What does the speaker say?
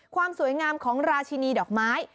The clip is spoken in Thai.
ความสวยงามของราชินีดอกไม้